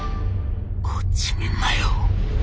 こっち見んなよ。